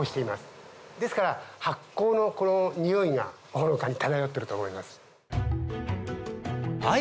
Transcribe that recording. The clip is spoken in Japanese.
ですから発酵のこのにおいがほのかに漂ってると思います。